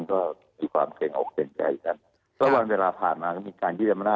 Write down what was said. ก็เผาโผล่กันเลยน่ะให้หลักถามลำนั่นกันเลยนะ